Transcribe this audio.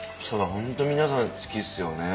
ホント皆さん好きっすよね。